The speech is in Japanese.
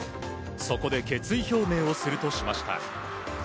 そこで決意表明をするとしました。